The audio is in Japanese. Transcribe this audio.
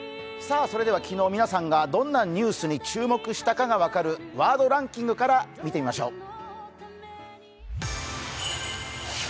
昨日、皆さんがどんなニュースに注目したかが分かる「ワードランキング」からいきましょう。